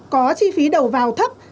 có chi phí đầu vào thấp